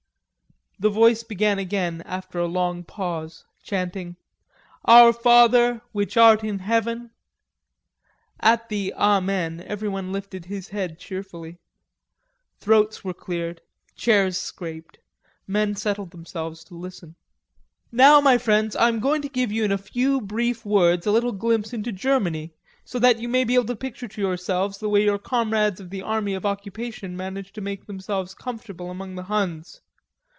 The voice began again after a long pause, chanting: "Our Father which art in Heaven..." At the "Amen" everyone lifted his head cheerfully. Throats were cleared, chairs scraped. Men settled themselves to listen. "Now, my friends, I am going to give you in a few brief words a little glimpse into Germany, so that you may be able to picture to yourselves the way your comrades of the Army of Occupation manage to make themselves comfortable among the Huns....